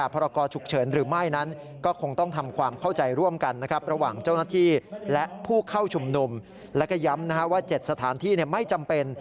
พูดเข้าชุมนุมและก็ย้ำว่า๗สถานที่ไม่จำเป็น